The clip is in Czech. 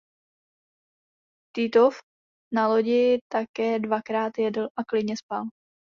Titov na lodi také dvakrát jedl a klidně spal.